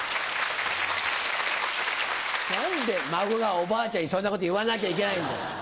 何で孫がおばあちゃんにそんなこと言わなきゃいけないんだよ。